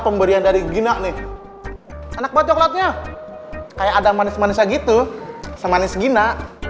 pemberian dari gina nih anak anak coklatnya kayak ada manis manis aja gitu sama manis gina